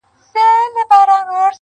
ویل ځوانه په امان سې له دښمنه!.